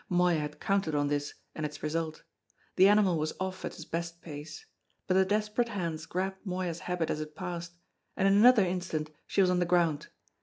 Moya had counted on this and its result. The animal was off at its best pace; but the desperate hands grabbed Moya's habit as it passed, and in another instant she was on the ground.